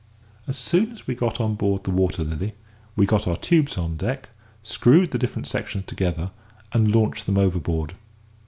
As soon as we got on board the Water Lily, we got our tubes on deck, screwed the different sections together, and launched them overboard.